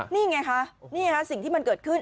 นี่ไงคะสิ่งที่มันเกิดขึ้น